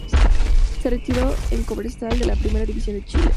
Se retiró en Cobresal de la Primera División de Chile.